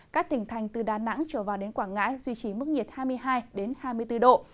các tỉnh thành từ đà nẵng trở vào đến quảng ngãi duy trì mức nhiệt hai mươi hai hai mươi bốn độ